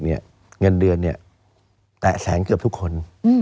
เงินเดือนแตะแสนเกือบทุกคน